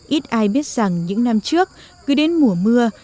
ít ai biết rằng những năm trước cứ đến mùa mưa